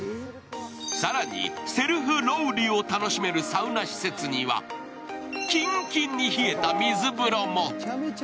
更にセルフロウリュを楽しめるサウナ施設にはキンキンに冷えた水風呂も。